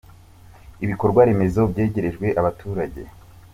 Ibikorwa remezo byegerejwe abaturage.